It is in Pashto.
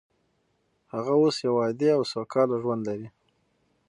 هغه اوس یو عادي او سوکاله ژوند لري